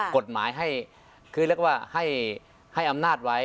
กฎหมายให้คือเรียกว่าให้อำนาจไว้